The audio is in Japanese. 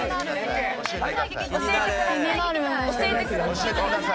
教えてください！